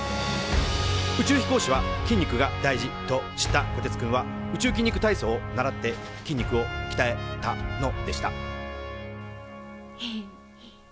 宇宙飛行士は筋肉が大事と知ったこてつくんは宇宙筋肉体操を習って筋肉をきたえたのでしたヘヘッ。